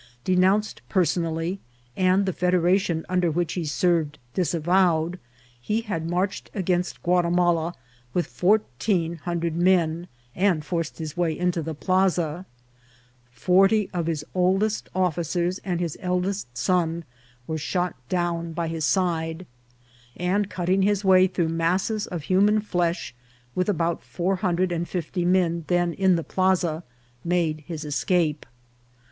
Denounced personally, and the Federation under which he served disavowed, he had marched against Guatimala with fourteen hundred men, and forced his way into the plaza ; forty of his oldest officers and his eldest son were shot down by his side ; and cutting his way through masses of human flesh, with about four hundred and fifty men then in the plaza, made his escape.